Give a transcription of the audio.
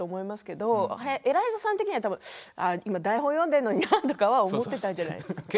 でもエライザさん的には、台本を読んでいるのになって思ってたんじゃないですか。